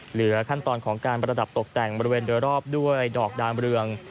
เหลือขั้นตอนของการประดับตกแต่งบริเวณโดยรอบด้วยดอกดามเรือง